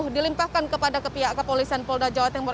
dua ribu dua puluh dilimpahkan kepada kepolisian polda jawa timur